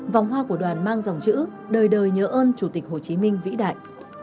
vòng hoa của đoàn mang dòng chữ đời đời nhớ ơn chủ tịch hồ chí minh vĩ đại